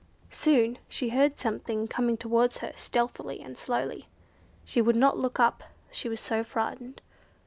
Soon she heard something coming towards her stealthily and slowly. She would not look up she was so frightened.